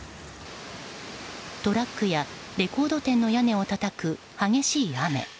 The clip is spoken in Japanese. トラックやレコード店の屋根をたたく激しい雨。